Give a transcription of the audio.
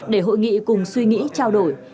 để hội nghị cùng suy nghĩ trao đổi